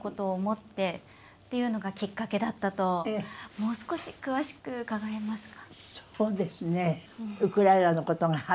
もう少し詳しく伺えますか？